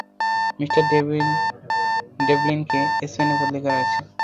Mr ডেভলিনকে স্পেনে বদলি করা হয়েছে।